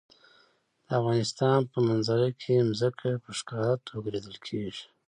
د افغانستان په منظره کې ځمکه په ښکاره توګه لیدل کېږي.